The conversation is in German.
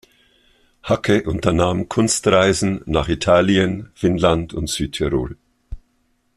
Hacke unternahm Kunstreisen nach Italien, Finnland und Südtirol.